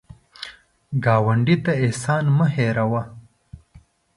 ګاونډي ته احسان مه هېر وهه